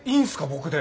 僕で。